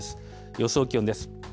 予想気温です。